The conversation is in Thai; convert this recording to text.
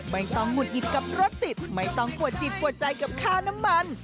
ไม่ต้องหุดหงิดกับรถติดไม่ต้องปวดจิตปวดใจกับค่าน้ำมัน